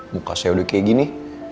muka saya udah kayak gini